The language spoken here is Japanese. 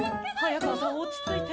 早川さん落ち着いて！